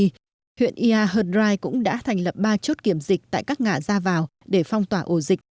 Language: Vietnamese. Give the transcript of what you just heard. trước đó huyện ia hợt rai cũng đã thành lập ba chốt kiểm dịch tại các ngã ra vào để phong tỏa ổ dịch